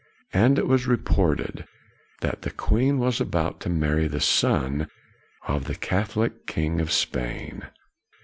And it was reported that the queen was about to marry the son of the Catholic king of Spain.